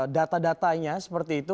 data datanya seperti itu